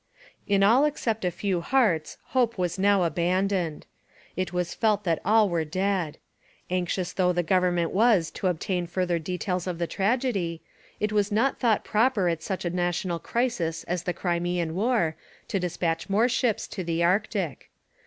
In all except a few hearts hope was now abandoned. It was felt that all were dead. Anxious though the government was to obtain further details of the tragedy, it was not thought proper at such a national crisis as the Crimean War to dispatch more ships to the Arctic.